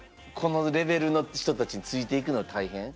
このレベルの人たちについていくの大変？